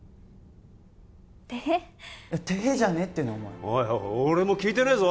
テヘッテヘッじゃねえってのお前おい俺も聞いてねえぞ！